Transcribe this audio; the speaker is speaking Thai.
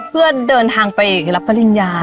เพื่อเดินทางไปรับปริญญา